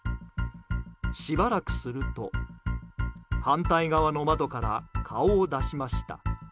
しばらくすると反対側の窓から顔を出しました。